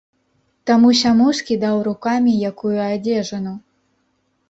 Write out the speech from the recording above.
Таму-сяму скідаў рукамі якую адзежыну.